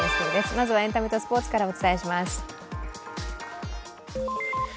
まずはエンタメとスポーツからです。